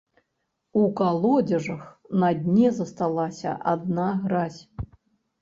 У калодзежах на дне засталася адна гразь.